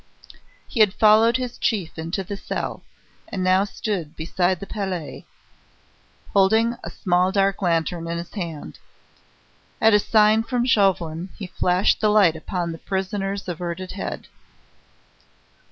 He had followed his chief into the cell, and now stood beside the palliasse, holding a small dark lantern in his hand. At a sign from Chauvelin he flashed the light upon the prisoner's averted head.